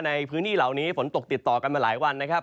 ในพื้นที่เหล่านี้ฝนตกติดต่อกันมาหลายวันนะครับ